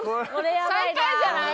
最下位じゃない？